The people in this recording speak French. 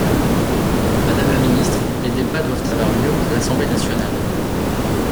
Madame la ministre, les débats doivent avoir lieu à l’Assemblée nationale.